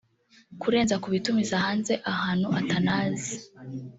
kurenza ku bitumiza hanze ahantu atanazi